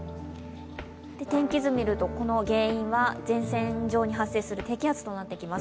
天気図見ると、この原因は前線上に発生する低気圧です。